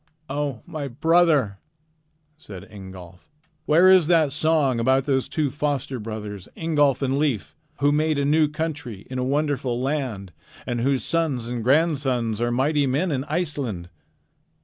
"O my brother!" said Ingolf, "where is that song about 'those two foster brothers, Ingolf and Leif, who made a new country in a wonderful land, and whose sons and grandsons are mighty men in Iceland'?